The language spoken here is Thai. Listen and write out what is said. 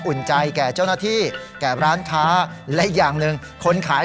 อุ่นใจแก่เจ้าหน้าที่แก่ร้านค้าและอีกอย่างหนึ่งคนขาย